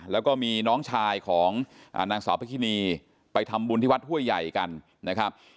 แล้วก็มีน้องชายของนางสาวพระคินีไปทำบุญที่วัดห้วยใหญ่กันนะครับ